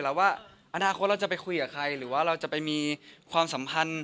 ต้องเชื่อด้วยครับ